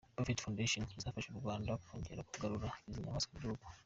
Buffett Foundation izafasha u Rwanda kongera kugarura izi nyamaswa mu gihugu.